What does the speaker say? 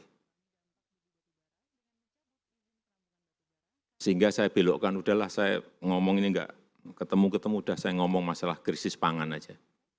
jadi sehingga saya belokkan udahlah saya ngomong ini enggak ketemu ketemu udah saya ngomong masalah krisis pangan saja